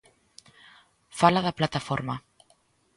Fala da plataforma.